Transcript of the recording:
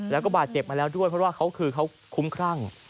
แล้วก็บาดเจ็บมาแล้วด้วยเพราะว่าเขาคือเขาคุ้มครั่ง